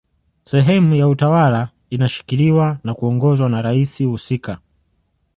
sehemu ya utawala inashikiliwa na kuongozwa na rais husika